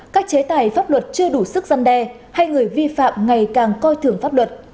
các chế tài pháp luật chưa đủ sức gian đe hay người vi phạm ngày càng coi thường pháp luật